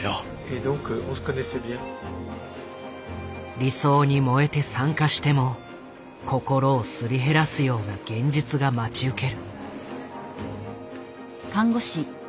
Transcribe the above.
理想に燃えて参加しても心をすり減らすような現実が待ち受ける。